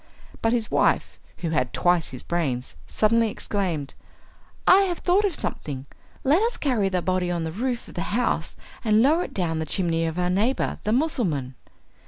But his wife, who had twice his brains, suddenly exclaimed, "I have thought of something! Let us carry the body on the roof of the house and lower it down the chimney of our neighbour the Mussulman."